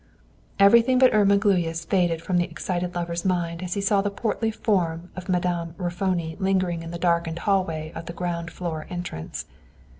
Everything but Irma Gluyas faded from the excited lover's mind as he saw the portly form of Madam Raffoni lingering in the darkened hallway of the ground floor entrance.